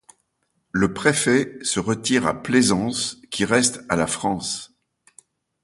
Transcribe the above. Le préfet se retire à Plaisance qui reste à la France.